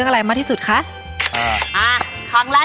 พี่อายกับพี่อ๋อมไม่ได้ครับ